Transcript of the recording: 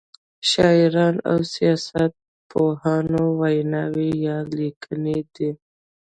شاعرانو او سیاست پوهانو ویناوی یا لیکنې دي.